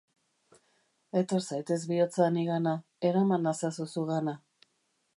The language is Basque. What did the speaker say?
Etor zaitez, bihotza, nigana, eraman nazazu zugana.